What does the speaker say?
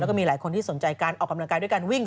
แล้วก็มีหลายคนที่สนใจการออกกำลังกายด้วยการวิ่ง